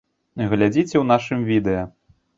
Глядзіце ў нашым відэа.